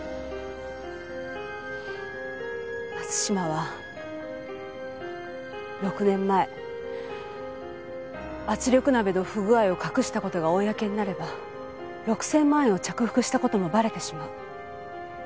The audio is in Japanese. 松島は６年前圧力鍋の不具合を隠した事が公になれば６０００万円を着服した事もバレてしまう。